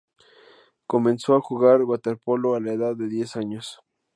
Comenzó a jugar waterpolo a la edad de diez años.